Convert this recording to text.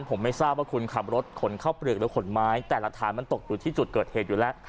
ผมไม่ทราบว่าคุณขับรถขนเข้าเปลือกหรือขนไม้แต่หลักฐานมันตกอยู่ที่จุดเกิดเหตุอยู่แล้ว